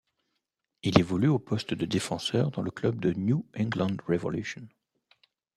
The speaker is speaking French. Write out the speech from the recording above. Il évolue au poste de défenseur dans le club de New England Revolution.